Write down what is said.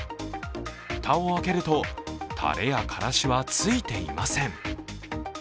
蓋を開けると、たれやからしは、ついていません。